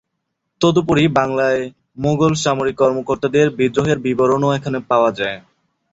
তদুপরি বাংলায় মুগল সামরিক কর্মকর্তাদের বিদ্রোহের বিবরণও এখানে পাওয়া যায়।